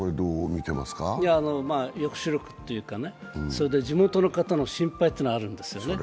抑止力というか、地元の方の心配というのがあるんですね。